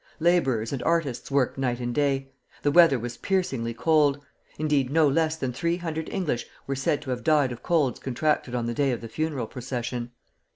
Laborers and artists worked night and day. The weather was piercingly cold. Indeed, no less than three hundred English were said to have died of colds contracted on the day of the funeral procession.